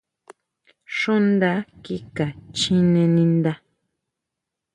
Xuʼnda kika chijé ninda.